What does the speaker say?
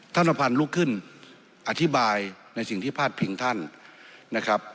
นพันธ์ลุกขึ้นอธิบายในสิ่งที่พาดพิงท่านนะครับ